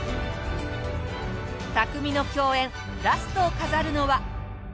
匠の競演ラストを飾るのは。